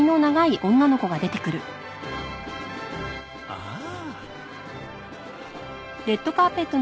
ああ。